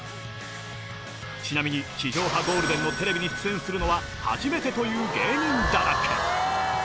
ちなみに地上波ゴールデンのテレビに出演するのは初めてという芸人だらけ。